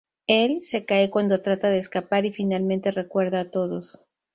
Él se cae cuando trata de escapar y finalmente recuerda a todos.